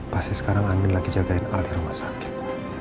pasti sekarang andi lagi jagain al di rumah sakit